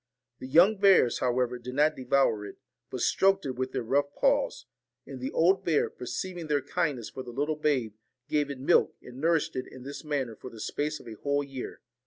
The young bears, how ever, did not devour it, but stroked it with their rough paws; and the old bear, perceiving their kindness for the little babe, gave it milk, and nourished it in this manner for the space of a whole year.